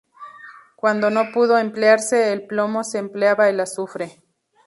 Cuando no pudo emplearse el plomo se empleaba el azufre.